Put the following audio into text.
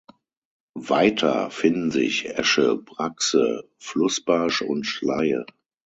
Weiter finden sich Äsche, Brachse, Flussbarsch und Schleie.